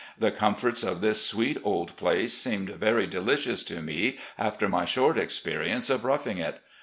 The comforts of this sweet old place seemed very delicious to me after my short experience of roughing it.